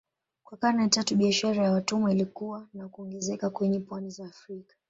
Kwa karne tatu biashara ya watumwa ilikua na kuongezeka kwenye pwani za Afrika.